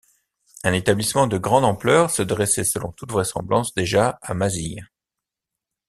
Un établissement de grande ampleur se dressait selon toute vraisemblance déjà à Mazille.